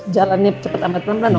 jalannya cepat amat pelan pelan dong